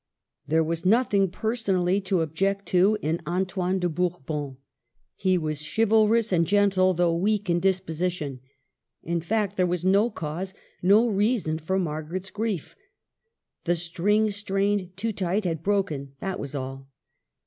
There was nothing personally to object to in Antoine de Bourbon; he was chivalrous and gentle, though weak in disposition. In fact, there was no cause, no reason for Margaret's grief. The string strained too tight had broken, that was all.